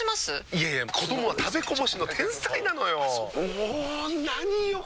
いやいや子どもは食べこぼしの天才なのよ。も何よ